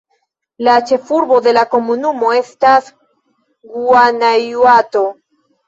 La ĉefurbo de la komunumo estas Guanajuato.